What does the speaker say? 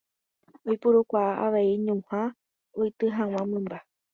Oipurukuaa avei ñuhã oity hag̃ua mymba.